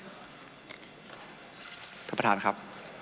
ท่านประธานครับ